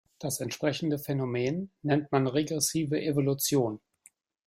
Das entsprechende Phänomen nennt man regressive Evolution.